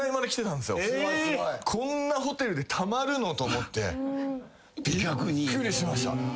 こんなホテルでたまるの？と思ってびっくりしました。